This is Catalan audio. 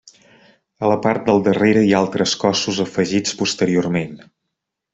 A la part del darrere hi ha altres cossos afegits posteriorment.